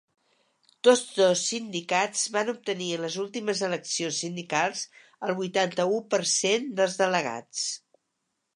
Tots dos sindicats van obtenir en les últimes eleccions sindicals el vuitanta-u per cent dels delegats.